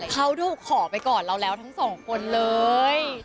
เขาดูขอไปก่อนเราแล้วทั้งสองคนเลย